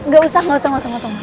gak usah gak usah